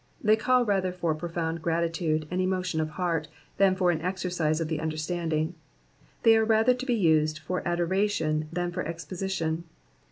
They call rather for profound gratitude, and emotion of heart, than for an excrci>e of the understanding ; they are rather to be used for adoration than for exposi tion.